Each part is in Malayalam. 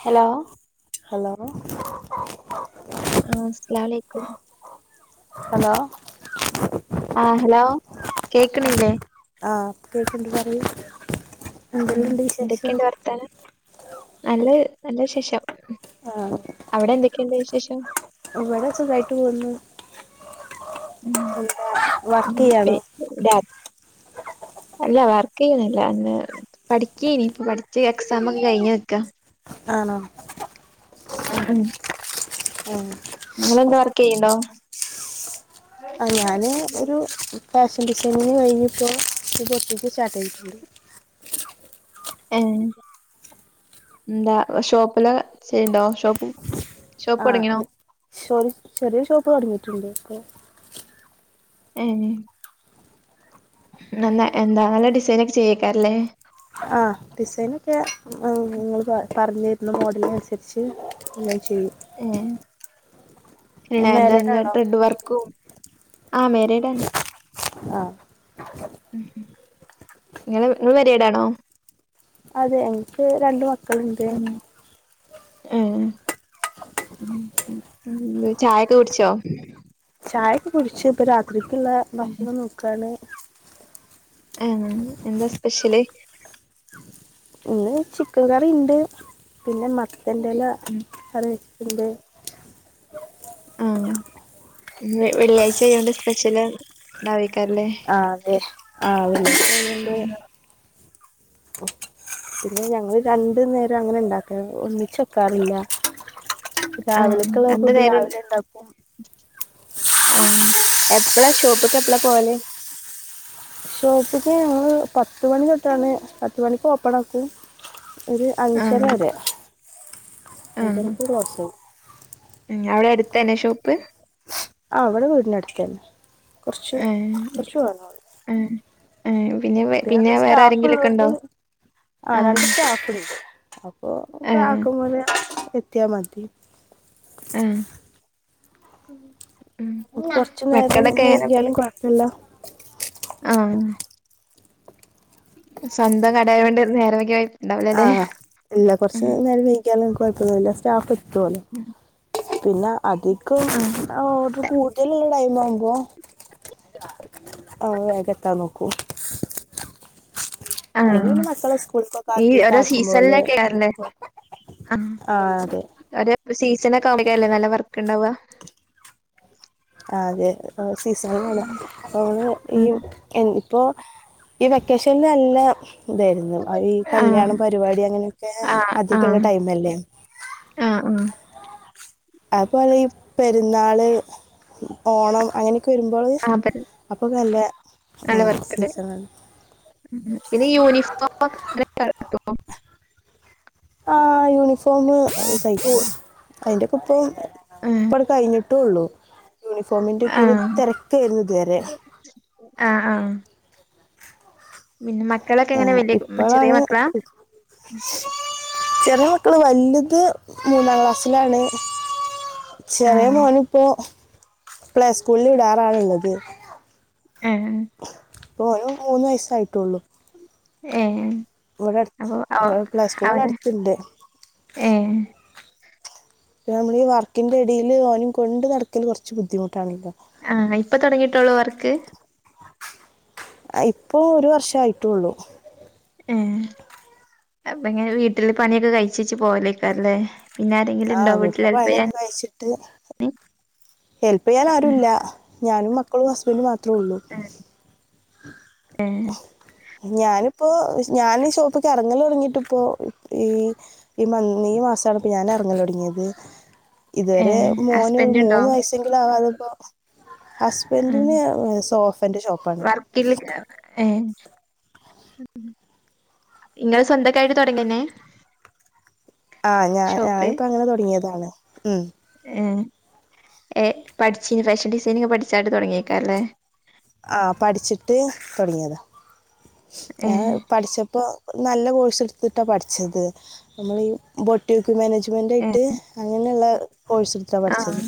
ഹലോ ഹലോ ആഹ അസ്ലാലൈക്കും ആഹ് ഹലോ കേക്ണില്ലേ ആഹ് കേക്കണ്ട് പറയു ഉം എന്തല്ലാംണ്ട് വിശേഷം എന്തൊക്കെയുണ്ട് വർത്താനം നല്ല നല്ല വി ശേഷം ആഹ് അവിടെ എന്തൊക്കെയുണ്ട് വിശേഷം ഉം ഉം പി വർക്കയ്യണോ രാ അല്ല വർക്ക് യ്യുന്നില്ല പഠിക്കേനി ഇപ്പ പഠച്ച് എക്സാംഒക്കെ കഴിഞ്ഞ് നിക്കാ ആണോ ആഹ ഉ നിങ്ങന്താ വർക്ക് ചെയ്യണ്ടോ ആ ഞാന് ഒരു ഫാഷൻ ഡിസൈനിന് കഴിഞ്ഞ് ഇപ്പോ ബുടിക്ക് സ്റ്റാർട്ട് ചെയ്തിട്ടുണ്ട് [inaudible] എന്താ ഷോപ്പല്ലാ ചെയ്യണ്ടോ ഷോപ്പ് ഷോപ്പ് ആ തുടങ്ങിണോ ഒ ഒരു ചെറിയ ഷോപ്പ് തൊടങ്ങിട്ടുണ്ട് ഉം ന എന്താ നല്ല ഡിസൈന ഒക്കെ ചെയ്യാക്കരല്ലേ ഒക്കെ ങ്ങൾ പർ പർനിര്ന്നു മോഡൽനൻസര്ച്ച് ങ്ങെ ചെയ്യും ഏഹ് ഇല്ല മാരീഡ് എന്താ ആണോ ട്രെഡ് വർക്കും ആഹ മേരേഡാണ് ആ ഉം ഉം നിങ്ങ നിങ്ങൾ മാരീട് ആണോ അതെ എനിക്ക് രണ്ട് മക്കളുണ്ട് ഏ ചായൊക്കെ കുടിച്ചോ ചായക്കെ കുടിച്ചു ഇപ്പോൾ രാത്രിക്കുള്ള ഭക്ഷണം നോക്കാണ് ആ എന്താ സ്പെഷ്യല് ഇന്ന് ചിക്കൻ കറി ഇണ്ട് പിന്നെ മത്തൻ്റെല ഉം കറിവ പിന്നെ ആ വെള്ളിയാഴ്ചായൊണ്ട് സ്പെഷ്യല് ഇണ്ട ആ അതെ ആ പിന്നെ ഞങ്ങള് രണ്ടു നേരം അങ്ങനെ ഇണ്ടാക്കല ഒന്നിച്ച് വക്കാറില്ല ആഹ് രാവിലക്കുള്ള ഫുഡ് രാവിലെ ഉണ്ടാക്കും ആ എപ്പളാ ഷോപ്പ്ക്ക് എപ്പളാ പോവല് ഷോപ്പിക്ക് ഞങ്ങള് പത്തുമണി തൊട്ടാണ് പത്തുമണിക്ക് ഓപ്പൺ ആക്കും ഒരു അഞ്ചര ആഹ് വരെ ആഹ് അഞ്ചരക്ക് ക്ലൊസ് ചെയും ഉം അവിടെ അടുത്തന്നെ ഷോപ്പ് ആ അവിടെ വീടിന് അടുത്തന്നെ കൊറച്ച് ഏഹ് കൊറച്ചു വന്നാതി ഏഹ് ഏഹ് വേ പിന്നെ അവിടതെ വേറെ സ്റ്റാഫ് ആരെങ്കിലൊക്കെ ഉള്ളൊണ്ട് ഉണ്ടോ? ആ ആഹ് രണ്ട് സ്റ്റാഫുണ്ട് അപ്പൊ ഏഹ് കാകും പോലെ എത്തിയാ മതി ഏ അപൊ കൊറച്ചു നേരം വൈകിയാലും കുഴപ്പില്ല ആ സ്വന്തം കടായ കൊണ്ട് നേരം വയ്കിയ ആ ഇല്ല കൊറച്ച് നേരം വൈകിയാല് കൊഴപ്പൊന്നുമില്ല സ്റ്റാഫ് എത്തൂലൊ ഉം പിന്നെ അധികം ആഹ് ഒരു കൂ തലുള്ള ടൈം ആവുമ്പോ ആ വേഗം എത്താ നോക്കൂം ആ സ്കൂളിലേക്കൊക്കെ ഈ ആക്കിയിട്ട് ഒരോ ആക്കും പോലെ സീസണില്ലക്ക ആണല്ലേ ആ ഒരു സീസൺ ഒക്കെല്ലേ നല്ല വർക്ക് ഉണ്ടാവാ അതെ സീസണിലാണ് അ നമ്മള് ഈ ഉം ഇപ്പൊ ഈ വെക്കേഷനില് നല്ല ഇതായിരുന്നു ഈ ആഹ് കല്യാണം പരിപാടി അങ്ങനെയൊക്കെ അധികമുള്ള ടൈമല്ലേ ആ ആ അതുപോലെ ഈ പെരുന്നാള് ഓണം അങ്ങനെ ഒക്കെ വരുമ്പോള് അതെ അപ്പോൾ നല്ല നല്ല വർക്കുണ്ട് സീസണാണ് ഉം പിന്നെ യൂണിഫോം ഒകെ അങ്ങന കിട്ടോ ആ യൂണിഫോമ് തൈകും അതിന്റെക്കൊപ്പം ഇപ്പടെ കഴിഞ്ഞിട്ടേള്ളു യൂണിഫോമിന്റെ ഒക്കെ ഒരു ആഹ് തിരക്കായിരുന്നു ഇതുവരെ ആഹ് ആഹ് പിന്നെ മക്കളൊക്കെ ആ എങ്ങനെ വലിയ ചെറിയ ഇപ്പോഴാണ് മക്കളാ ചെറിയ മക്കള് വലത് മൂന്നാം ക്ലാസ്സിലാണ് ചെറിയ ആഹ് മോൻ ഇപ്പോ പ്ലേ സ്കൂളില് വിടാറാണ് ഇള്ളത് ഏ ഓന് മൂന്ന് വയസായിട്ടുള്ളു ഏ അപ്പൊ ഇവിടെ പ്ലേ സ്കൂൾ ഇവിടെ അവനെ അടുത്തുണ്ട് ഏ നമ്മളി ഈ വർക്കിന്റെ ഇടയിൽ ഓനേം കൊണ്ട് നടക്കൽ കുറച്ചു ബുദ്ധിമുട്ടാണല്ലോ ആ ഇപ്പൊ തുടങ്ങിട്ടോളൂ വർക്ക് ഇപ്പൊ ഒരു വർഷയിട്ടുള്ളു ഏഹ് അപ്പ എങ്ങനെ വീട്ടില് പണിയൊക്കെ കഴിച്ച് വച്ച് പോവലയ്ക്കാരല്ലേ പിന്നെ ആരെങ്കിലും ആ ഉണ്ടോ വീട്ടില് വീട്ടിലെ ഹെല്പ് ചെയ്യാൻ പണിയൊക്കെ ഹെല്പ്യ്യാൻ ആരുല്ല ഞാനും മക്കളും ഹസ്ബൻഡും മാത്രേള്ളു ഏഹ് ഞാനും ഇപ്പോ ഞാൻ ഈ ഷോപ്പിക്ക് ഇറങ്ങലൊടങ്ങിട്ട് ഇപ്പോ ഈ ഈ മൻ ഈ മാസണ് ഞാനെ ഇറങ്ങലൊട്ങ്ങിയത് ഇത് വരെ ഏഹ് മോന് ഒരു ഹസ്ബൻഡ് ഉണ്ടോ മൂന്ന് വയസെങ്കിലും ആവാതെപ്പോ ഹസ്ബൻഡിന് സോഫേന്റെ ഷോപ്പാണ് കുട്ടികൾക്ക് ഏഹ് ഇങ്ങള് സ്വന്തക്കായിട്ട് തോടങ്ങിന്നെ ആഹ് ഞാ ഞാനിപ്പോ അങ്ങനെ തോടങ്ങിയതാണ് ഉം ഉം ഏ പഠിച്ചിന് ഫേഷൻ ഡിസൈനിങ് പഠിച്ചായിട്ട് തോടങ്ങിയേക്കാരംല്ലേ ആഹ് പഠിച്ചിട്ട് തോടങ്ങിയതാ ഞാൻ ഏഹ് പഠിച്ചപ്പോ നല്ല കോഴ്സ്ട്ത്തിട്ടാ പഠിച്ചത് നമ്മളി ബൊട്ടീ ഏഹ് മാനേജ്മെന്റായിട്ട് അങ്ങനെള്ള കോഴ്സ്ട്ത്താ ആഹ് പഠിച്ചത്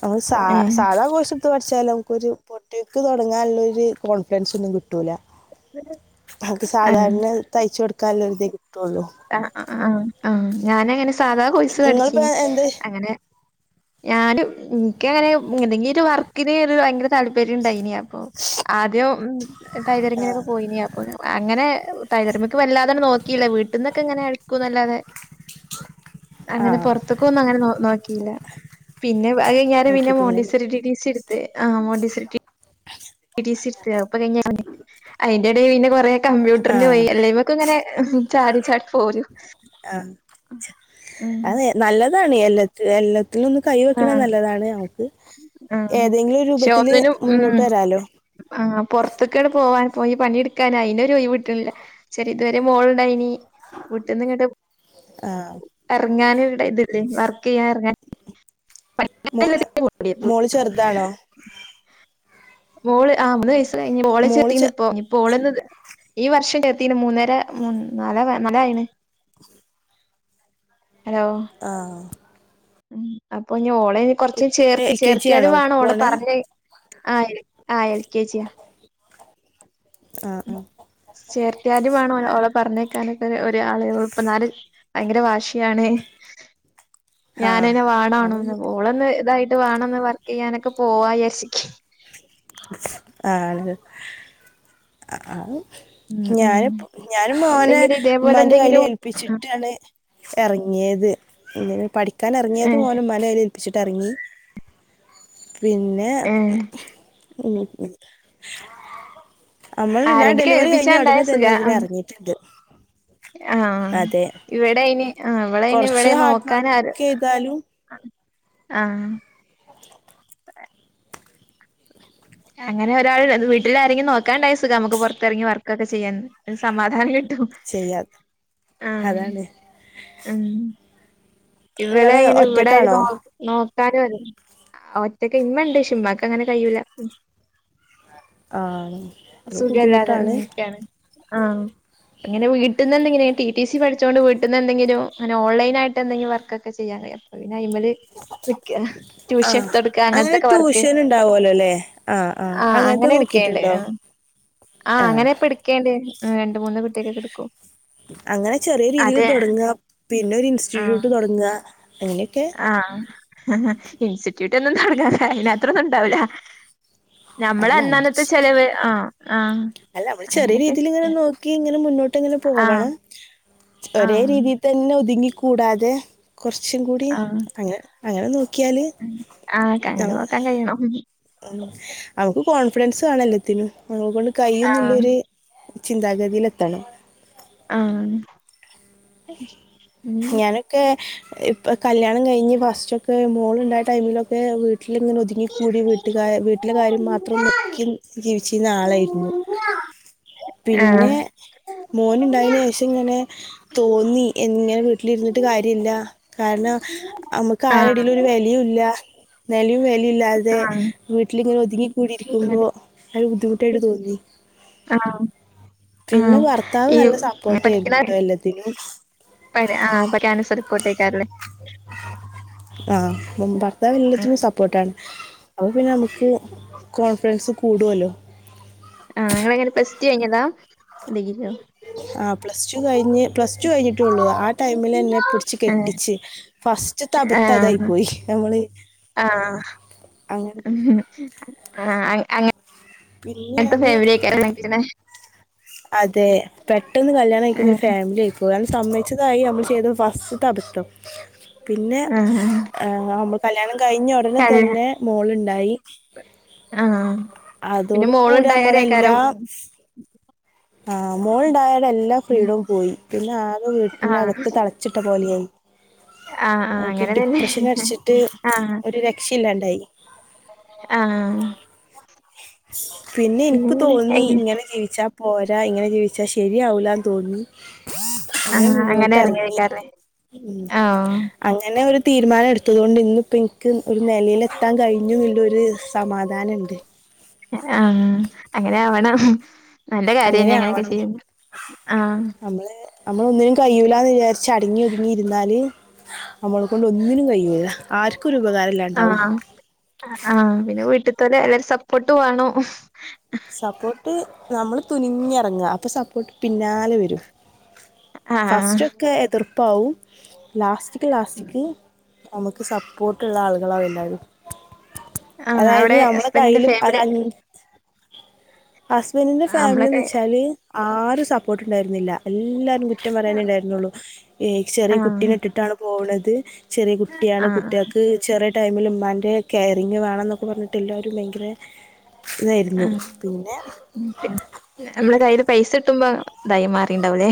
നമ്മള് സ ഏഹ് സാധാ കോഴ്സ്ട്ത്ത് പഠിച്ചാല്മക്കൊരു പൊ ഒറ്റക്ക് തോടങ്ങാന്ള്ളൊര് കോൺഫിഡൻസൊന്നും കിട്ടൂല്ല അത് ആഹ് സാധാരണ തയ്ച്ച കൊടുക്കല്ലോര്തെ ആഹ് ആഹ് ആഹ് ഞാന് അങ്ങനെ സാധാ കോഴ്സ് നിങ്ങളിപ്പോ പഠിച്ചിനി എന്ത് അങ്ങനെ ഞാന് ഇന്ക്ക്ങ്ങനെ എന്തെങ്കി ഒര് വർക്കിന് ഒര് ഭയങ്കര താല്പര്യണ്ടായിന് അപ്പോ ആദ്യം ടൈലറിങ്ങിനൊക്കെ പോയിന് അപ്പോ അങ്ങനെ ടൈലറിമിക്ക് വല്ലാതാണ്ട് നോക്കില്ല വീട്ട്ന്നൊക്കെങ്ങനെ അടിക്കുന്നല്ലാതെ അങ്ങനെ ആഹ് പൊറത്ത്ക്കൊന്നും അങ്ങനെ നോ നോക്കില്ല പിന്നെ അത്കഴിഞ്ഞാരേ പിന്നെ നോക്കിട്ടില്ലല്ലേ മോണ്ടിസ്റ്ററി ടി ടി സിട്ത്ത് ആഹ് മോണ്ടിസ്റ്റ റി ടി ടി സിട്ത്ത് അത്പ്പൊ കഴിഞ്ഞറങ്ങി അയിന്റെടെ പിന്നെ കൊറെ കമ്പ്യൂട്ടറ്ന് പോയി ആഹ് എല്ലേയ്മക്ക്ങ്ങനെ ചാടി ചാടി പോരും ആഹ് ഉം അതെ നല്ലതാണ് എല്ല എല്ല ത്തിലൊന്ന് കൈ വെക്ക്ണ ആഹ് നല്ലതാണ് നമുക്ക് ആഹ് ഏതെങ്കിലും പക്ഷെ രൂപത്തില് ഒന്നിനും ഉം മുന്നോട്ട് വരാലോ ആഹ് പൊറത്ത്ക്കണ്ട് പോവാൻ പോയി പണിയെട്ക്കാൻ അയിനൊര് ഒയിവ്ട്ട്ണില്ല ചെറി ഇതുവരെ മോള്ണ്ടായിനി വീട്ട്ന്നിങ്ങട്ട് ആഹ് ഇറങ്ങാന് ഒരു ടൈ ഇത് ല്ലേ വർക്കെയ്യാൻ ഇറങ്ങാന് മോള് മോള് ചെറ്താണോ മോൾ ആഹ് മൂന്ന് വയസ്സ്‌ കഴിഞ്ഞ് ഓളെ മോള് ചേർത്തീണ്‌ ചെ ഇപ്പോ ഇഞ്ഞ്പ്പോ ഓളൊന്ന് ഈ വർഷം ചേർത്തീന് മൂന്നര മുന്ന് നാലാവാ നാലായിണ്‌ ആഹ് ഉം അപ്പൊ ഇഞ്ഞ് ഓളെ കൊറച്ച് ഇപ്പ ചേർത്തി എൽ കെ ജി ചേർത്തിയാലും ആണോ വേണോ ഓളെ പോണേ പറഞ്ഞ ആഹ് ആഹ് എൽ ക്കേ ജി യാ ആഹ് ആഹ് ചേർത്തിയാലും വേണം ഒ ഓളെ പറഞ്ഞേക്കാനൊക്കൊ ഒര് ആള് ഇപ്പന്നാരെ ഭയങ്കര വാശിയാണ്‌ ആഹ് ഞാനെന്നേ അതാ വാണാണും ബുദ്ധിമുട്ട് ഓളോന്ന് ഇതായി ട്ട് വേണോന്ന് വർക്ക്യ്യാനൊക്കെ പോവാ വിചാരിച്ചിക്കേനി ആഹ് ആഹ് ഉം ഉം ഞാന്പ്പോ ഞാനും മോനെ എന്തെങ്കിലും ഇതേപോലെ ഉമ്മാന്റെ കയ്യില് എന്തെങ്കിലും ഏൽപ്പിച്ചിട്ടാണ് എറങ്ങിയത് ഇങ്ങെനെ പഠിക്കാനെറങ്ങിയത് ഏഹ് ഓനെ ഉമ്മന്റെ കൈയിൽ ഏൽപ്പിച്ചിട്ട് എറങ്ങി പിന്നെ ഏഹ് മ്മ് മ്മ് അമ്മള് ഞാൻ ആരെങ്കിലും ഡെലിവറി കഴിഞ്ഞ ഏൽപ്പിച്ചാണ്ടായ ഒടനെ തന്നെ സുഖാ ഉം ഇതിനെറങ്ങിട്ട്ണ്ട് ആഹ് ഇവിടെയിന് ആഹ് ഇവളെ അയിന് കൊറച്ച് ഇവളെ ഹാർഡ് വർക്ക് നോക്കാനാരും ചെയ്താലും ആഹ് അങ്ങനെ ഒരാള് വീട്ടിലാരെങ്കി നോക്കണ്ടായ സുഖാമ്മക്ക് പൊറത്തിങ്ങി വർക്കൊക്കെ ചെയ്യാൻ ഒര്സമാധാനം കി ട്ടു ചെയ്യാം ആ അതാണ് ആ നിങ്ങള് ഇവിളെങ്ങിനെ ഇവിടാരും ഒറ്റക്കാണോ നോ നോ നോക്കാനും ഒറ്റക്ക് ഇമ്മണ്ട് ഷേ ഇമ്മാക്കങ്ങനെ കയുല ആണ് അത് സുഖല്ലാതെ ബുദ്ധിമുട്ടാണ് ഉം ക്കെയാണ് ആ അങ്ങനെ വീട്ടിന്ന് എന്തെങ്കിം റ്റി റ്റി സി പഠി ചോണ്ട് വീട്ടിന്ന് എന്തെങ്കിലും അങ്ങനെ ഓൺലൈനായിട്ട് എന്തെങ്കി വർക്കെക്ക ചെയ്യാ അറിയാം അപ്പ പിന്നെ ആയിമേല് ക്ക ആ ട്യൂഷൻ എടുത്ത് കൊടുക്ക അങ്ങനെ അങ്ങനത്തെക്കെ വർക്ക് ട്യൂഷൻ ഉണ്ടാവുമല്ലോ അല്ലേ ആ അങ്ങനത്തെ അങ്ങനെ എ ക്കേണ്ട് നോക്കിയിട്ടുണ്ടോ ആ അങ്ങനെപ്പ എടുക്കേണ്ട് രണ്ട് മൂന്ന് കുട്ടികക്കൊക്കെ എടുക്കും അങ്ങനെ ചെറിയ രീതിൽ അതെ തുടങ്ങുവാ പിന്നെ ഒരു ഇൻസ്റ്റിറ്റ്യൂട്ട് തൊടങ്ങി ആ ഹ ഹ ഇൻസ്റ്റിറ്റ്യൂട്ട് ഒന്നു തൊടങ്ങാറയില്ല അത്രയൊന്നും ഉണ്ടാവില്ല നമ്മള് അന്നന്നാത്തെ ചെലവ് ആ ആ അങ്ങനൊക്കെ ചെ നെ മുന്നോട്ട്ങ്ങനെ പോവണം ഒരേ ആഹ് രീതിത്ത ന്നെ ഒതുങ്ങിക്കൂടാതെ കൊറച്ചും കൂടിയ അങ്ങെ അങ്ങനെ നോക്കും ആക്ക അങ്ങനെ നോക്കാൻ കയ്യണം നമുക്ക് കോൺഫിഡൻസ് വേണല്ലത്തിനും നമ്മേ കൊണ്ട് ആഹ് കയ്യിന്നുള്ളരു ചിന്താഗതിലെത്തണം ആ ഞാനൊക്കെ ഇപ്പ കല്യാണം കഴിഞ്ഞ് ഫസ്റ്റ് ഒക്കെ മോള്ണ്ടായ ടൈമിലൊക്കെ വി വീട്ടിലിങ്ങനെ ആ ഒതുങ്ങിക്കൂടി വീട്ട്കാ വീട്ടിലെ കാര്യം മാത്രം നോക്കി ജീവിച്ചിരുന്ന ആളായിരുന്നു ആ ആ പിന്നെ മോനുണ്ടായെനു ശേഷം ഇങ്ങനെ തോന്നി ഇങ്ങനെ ട്ടിലിരുന്നിട്ട് കാര്യല്ല കാരണം അമ്മക്ക് ആരുടെലും ഒരു വെലയുല്ല നിലയും വിലയും മില്ലാതെ വീട്ടിലിങ്ങനെ ഒതുങ്ങിക്കൂടി ഇരിക്കുമ്പോ അത് ബുദ്ധിമുട്ടായിട്ട് തോന്നി ആ ആ പിന്നെ ഭർത്താവ് ഈ നല്ല പഠിക്കണ സപ്പോർട്ടായിരുന്നു കേട്ടോ എല്ലാത്തിനും പ ആ പ്പകാൻസറിപ്പോട്ടേക്കാറല്ലേ ആ ഭർത്താവ് ആ എല്ലത്തിനും സപ്പോർട്ടാണ് അപ്പൊ പിന്നെ നമുക്ക് കോൺഫിഡൻസ് കൂടുവല്ലോ ആ നിങ്ങള് എങ്ങനെ പ്ലസ് ടു കഴിഞ്ഞതാ ഡിഗ്രിയോ ആ പ്ലസ് ടു കഴിഞ്ഞ് പ്ലസ് ടു കഴിഞ്ഞിട്ടേള്ളൂ ആ ടൈമിലെന്നെ പിടിച്ച് ആ കെട്ടിച്ച് ആ ഫസ്റ്റ്തബദ്ധം അതായിപ്പോയി നമ്മള് ആ അങ്ങനെ അങ്ങ പിന്നെയാണ് ഫാമിലി [unintelligible] അതെ പെട്ടെന്ന് കല്യാണയിക്കുന്ന ഒരു ഫാമിലി ആയി പോയി സമ്മയിച്ചതായി നമ്മള് ചെയ്ത ഫസ്റ്റ്ത അബദ്ധം പിന്നെ ആ ആ നമുള് കല്യാണം കഴിഞ്ഞ ഒടനെ കഴി- തന്നെ മോളുണ്ടായി ആ പിന്നെ അതോട് കൂടി മോളുണ്ടായാരേക്കാരം നമ്മളെല്ലാം ആ മോളുണ്ടായാടെ എല്ലാം ഫ്രീഡോം പോയി പിന്നാകെ വീട്ടിന്റെ ആ അകത്ത് തളച്ചിട്ട പോലായി ആഹ് ആഹ് നമുക്ക് അങ്ങനെ തന്നെ ഡിപ്രഷനടിച്ചിട്ട് ഒരു രക്ഷ ഇല്ലാണ്ടായി ആ പിന്നെ എനിക്ക് തോന്നി എങ്ങനെ ഇങ്ങനെ ജീവിച്ചാ പോരാ ഇങ്ങനെ ജീവിച്ചാ ശരിയാവൂലാന്ന് തോന്നി ൻ ആഹ് അങ്ങനെ മുന്നോട്ട് എറങ്ങി എറങ്ങിയേക്കാല്ലേ ആഹ് അങ്ങനെ ഒരു തീരുമാനം എടുത്തത് കൊണ്ട് ഇന്ന് ഇപ്പോനിക്ക് ഒരു നെലയിലെത്താൻ കഴിഞ്ഞുല്ലൊരു സമാധാനണ്ട് ആ അങ്ങനാവണം നല്ല അങ്ങനെ കാര്യന്നെ അങ്ങനെയൊക്കെ ആവണം ചെയ്യുന്ന ആ അമ്മളൊന്നിനും കയുലാന്ന് വിചാരിച്ച് അടങ്ങി ഒതുങ്ങിയിരുന്നാല് അമ്മളെ കൊണ്ട് ഒന്നിനും കയുല്ല ആഹ് ആഹ് പിന്നെ വീട്ടി അലെ എല്ലാരയും സപ്പോർട്ടും വേണം സപ്പോട്ട് നമ്മള് തുനിഞ്ഞ് ഇറങ്ങാ അപ്പൊ സപ്പോർ ട്ട് പിന്നാലെ വരും ആഹ് ഫസ്റ്റൊക്കെ എതിർപ്പാവും ലാസ്റ്റിക് ലാസ്റ്റിക് നമുക്ക് സപ്പോർട്ടുള്ള ആളുകളാണ് ഉണ്ടാവു ആഹ് അതായത് അവിടെ നമ്മളെ ഹസ്ബന്റിന്റെ കയ്യിലും ഒരു ഫാമിലി അഞ്ചി ഹസ്ബന്റിന്റെ ഫാമിലിന്ന് നമ്മളൊക്കെ വെച്ചാൽ ആരും സപ്പോർട്ട് ഉണ്ടായിരുന്നില്ല എല്ലാരും കുറ്റം പറയാനേ ആഹ് ഉണ്ടായിരുന്നുള്ളു ഏഹ് ചെറിയ കുട്ടീനെ ഇട്ടിട്ടാണ് പോകണത് ചെറിയ കുട്ടിയാണ് ആഹ് കുട്ടികൾക്ക് ചെറിയ ടൈമിൽ ഉമ്മാന്റെ കെയറിങ്ങ് വേണം എന്നൊക്കെ പറഞ്ഞിട്ട് ആഹ് എല്ലാവരും ഭയങ്കര ഇതായിരുന്നു ആഹ് പിന്നെ മ്മള് കൈയിൽ പൈസ കിട്ടുമ്പോ തായി മാറിണ്ടാവൂലേ